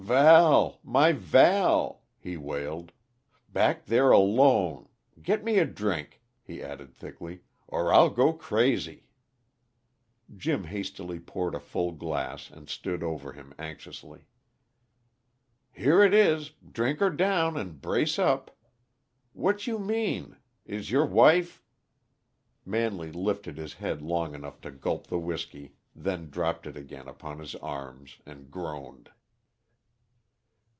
"Val my Val!" he wailed, "Back there alone get me a drink," he added thickly, "or I'll go crazy!" Jim hastily poured a full glass, and stood over him anxiously. "Here it is. Drink 'er down, and brace up. What you mean? Is your wife " Manley lifted his head long enough to gulp the whisky, then dropped it again upon his arms and groaned.